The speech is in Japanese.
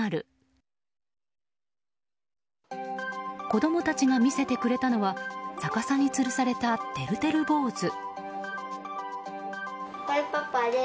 子供たちが見せてくれたのは逆さにつるされたてるてる坊主。